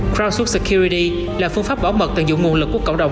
crowdsource security là phương pháp bảo mật tận dụng nguồn lực của cộng đồng